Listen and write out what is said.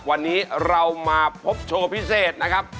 วันนี้เรามาพบโชว์พิเศษนะครับ